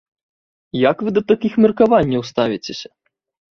І як вы да такіх меркаванняў ставіцеся?